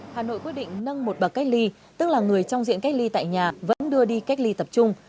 hà nội quyết định nâng một bậc cách ly tức là người trong diện cách ly tại nhà vẫn đưa đi cách ly tập trung